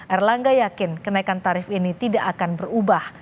erlangga yakin kenaikan tarif ini tidak akan berubah